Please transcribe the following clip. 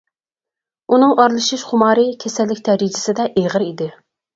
ئۇنىڭ ئارىلىشىش خۇمارى كېسەللىك دەرىجىسىدە ئېغىر ئىدى.